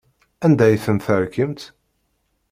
Anda ay ten-terkimt?